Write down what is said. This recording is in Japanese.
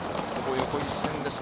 横一線です。